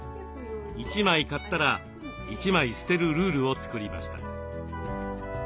１枚買ったら１枚捨てるルールを作りました。